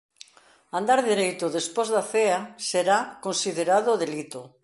Andar dereito despois da cea será considerado delito.